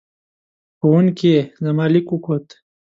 ښوونکې زما لیک وکوت.